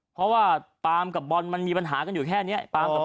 เพราะว่าปามกับบอลมันมีปัญหากันอยู่แค่นี้